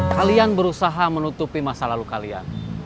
kalian berusaha menutupi masa lalu kalian